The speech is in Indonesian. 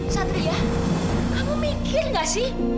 satria aku mikir gak sih